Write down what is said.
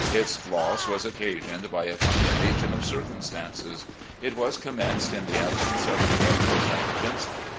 Its loss was occasioned by a combination of circumstances. It was commenced in the absence of correct intelligence.